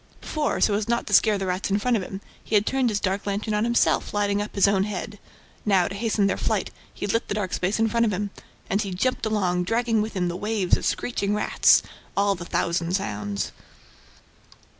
Before, so as not to scare the rats in front of him, he had turned his dark lantern on himself, lighting up his own head; now, to hasten their flight, he lit the dark space in front of him. And he jumped along, dragging with him the waves of scratching rats, all the thousand sounds.